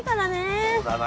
そうだな。